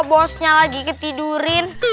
bosnya lagi ketidurin